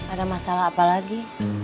ada masalah apa lagi